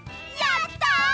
やった！